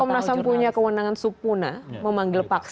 komnas ham punya kewenangan supuna memanggil